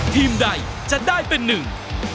ทีมใดจะได้เป็นหนึ่ง